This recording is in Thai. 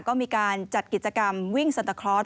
ก็มีการจัดกิจกรรมวิ่งสันตะคลอส